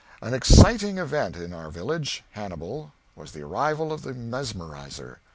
_] An exciting event in our village (Hannibal) was the arrival of the mesmerizer.